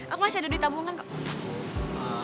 aku masih ada ditabungkan